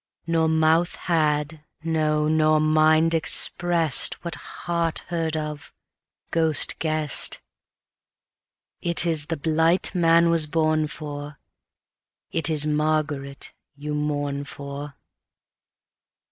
Nor mouth had, no nor mind, expressedWhat heart heard of, ghost guessed:It ís the blight man was born for, It is Margaret you mourn for.